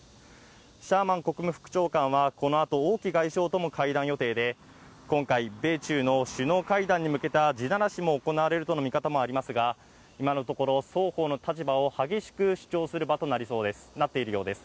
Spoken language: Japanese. シャーマン国務副長官はこのあと王毅外相とも会談予定で、今回、米中の首脳会談に向けた地ならしも行われるとの見方もありますが、今のところ双方の立場を激しく主張する場となっているようです。